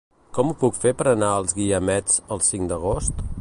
Com ho puc fer per anar als Guiamets el cinc d'agost?